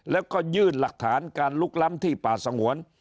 แล้วก็ยื่นหลักฐานการลุกล้ำที่ป่าสงวน